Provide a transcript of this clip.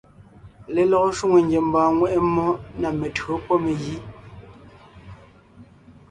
Lelɔgɔ shwòŋo ngiembɔɔn ŋweʼe mmó na mentÿǒ pɔ́ megǐ.